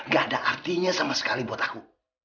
gak ada artinya sama sekali buat aku